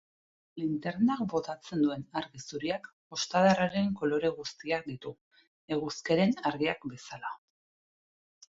Linternak botatzen duen argi zuriak ostadarraren kolore guztiak ditu, eguzkiaren argiak bezala.